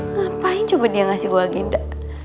ngapain coba dia ngasih gue agenda